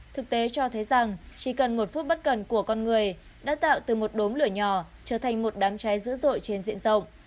thực tế cho thấy rằng chỉ cần một phút bất cần của con người đã tạo từ một đốm lửa nhỏ trở thành một đám cháy dữ dội trên diện rộng